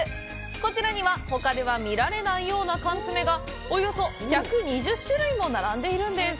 こちらには、ほかでは見られないような缶詰がおよそ１２０種類も並んでいるんです。